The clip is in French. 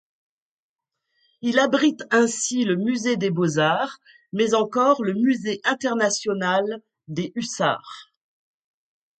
Il abrite ainsi le musée des beaux-arts mais encore le musée international des Hussards.